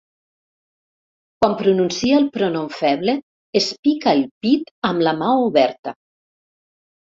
Quan pronuncia el pronom feble es pica el pit amb la mà oberta.